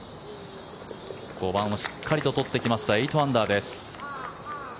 ５番をしっかりと取ってきました８アンダーです。